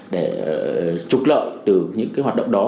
để trục lợi từ những cái hoạt động đó